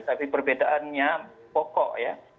tapi perbedaannya pokok ya